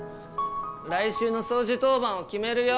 来週の掃除当番を決めるよ！